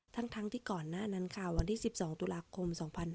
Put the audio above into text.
ทั้งที่ก่อนหน้านั้นค่ะวันที่๑๒ตุลาคม๒๕๕๙